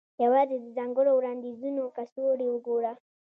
یوازې د ځانګړو وړاندیزونو کڅوړې وګوره